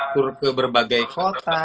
tur ke berbagai kota